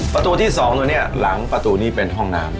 ประตูที่๒ตรงนี้หลังประตูนี้เป็นห้องน้ำ